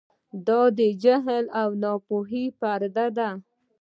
دا د جهل او ناپوهۍ پرده ده.